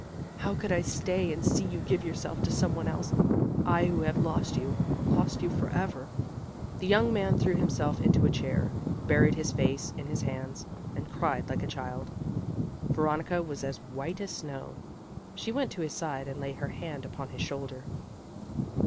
How could I stay and see you give yourself to some one else I who have lost you, lost you forever!" The young man threw himself into a chair, buried his face in his hands, and cried like a child. Veronica was as white as snow. She went to his side, and laid her hand upon his shoulder.